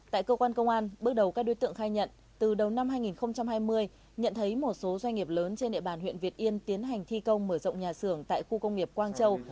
từ đầu năm hai nghìn hai mươi nhận thấy một số doanh nghiệp lớn trên địa bàn huyện việt yên tiến hành thi công mở rộng nhà xưởng tại khu công nghiệp quang châu